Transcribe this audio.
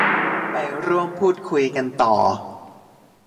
ไปร่วมพูดคุยกันต่อ